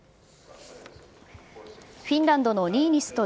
フィンランドのニーニスト